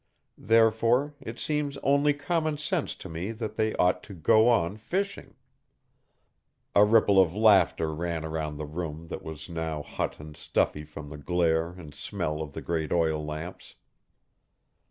Therefore, it seems only common sense to me that they ought to go on fishing." A ripple of laughter ran around the room that was now hot and stuffy from the glare and smell of the great oil lamps.